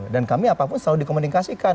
kami apapun selalu dikomunikasikan